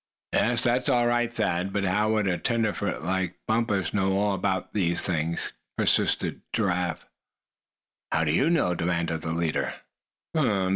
"Yes, that's all right, Thad; but how would a tenderfoot like Bumpus know all about these things?" persisted Giraffe. "How do you know?" demanded the leader.